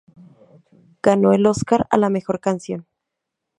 Ganó el Óscar a la mejor canción.